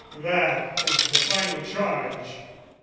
That is the final charge.